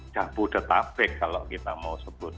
jabu detapek kalau kita mau sebut